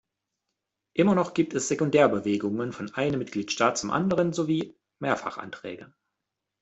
Immer noch gibt es Sekundärbewegungen von einem Mitgliedstaat zum anderen sowie Mehrfachanträge.